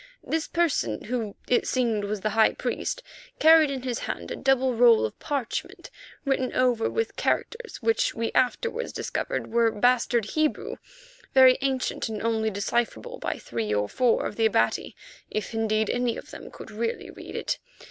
This person, who it seemed was the high priest, carried in his hand a double roll of parchment written over with characters which we afterwards discovered were bastard Hebrew, very ancient and only decipherable by three or four of the Abati, if indeed any of them could really read it.